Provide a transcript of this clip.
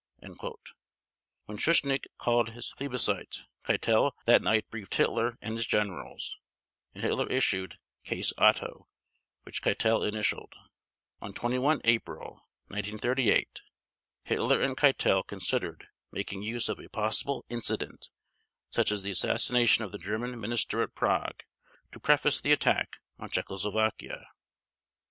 When Schuschnigg called his plebiscite, Keitel that night briefed Hitler and his generals, and Hitler issued "Case Otto" which Keitel initialed. On 21 April 1938 Hitler and Keitel considered making use of a possible "incident," such as the assassination of the German Minister at Prague, to preface the attack on Czechoslovakia.